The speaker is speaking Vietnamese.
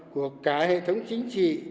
của cả hệ thống chính trị